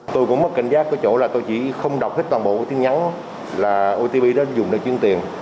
tôi cũng mất cảnh giác cái chỗ là tôi chỉ không đọc hết toàn bộ tin nhắn là otp đó dùng để chuyên tiền